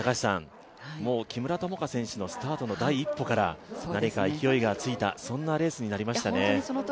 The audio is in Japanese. もう木村友香選手のスタートの第一歩から勢いがついた、そんなレースになりましたね。